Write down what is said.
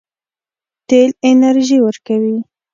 تیل انرژي ورکوي.